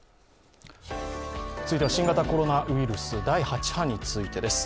続いては新型コロナウイルス、第８波についてです。